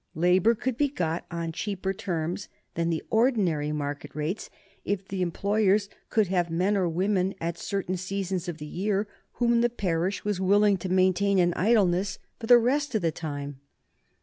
Labor could be got on cheaper terms than the ordinary market rates if the employers could have men or women at certain seasons of the year whom the parish was willing to maintain in idleness for the rest of the time.